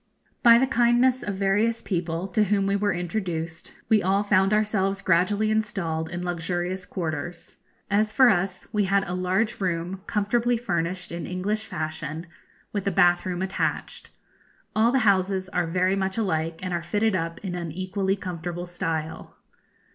By the kindness of various people, to whom we were introduced, we all found ourselves gradually installed in luxurious quarters. As for us, we had a large room comfortably furnished in English fashion, with a bath room attached. All the houses are very much alike, and are fitted up in an equally comfortable style.